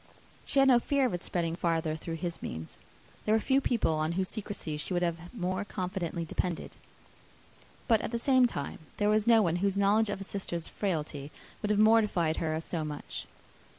She had no fear of its spreading farther, through his means. There were few people on whose secrecy she would have more confidently depended; but at the same time there was no one whose knowledge of a sister's frailty would have mortified her so much.